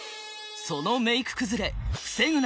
そのメイク崩れ防ぐ！